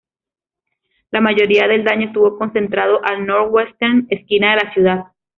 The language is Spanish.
La mayoría del daño estuvo concentrado al northwestern esquina de la ciudad.